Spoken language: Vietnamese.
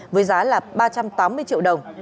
với giá ba trăm tám mươi triệu đồng